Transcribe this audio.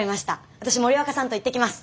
私森若さんと行ってきます。